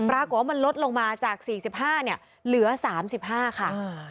ปรากฏว่ามันลดลงมาจาก๔๕เนี่ยเหลือ๓๕ค่ะ